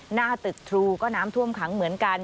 หน้าตึกทรูก็น้ำท่วมขังเหมือนกัน